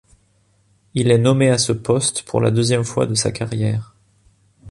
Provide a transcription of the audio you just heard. Il est nommé à ce poste pour la deuxième fois de sa carrière.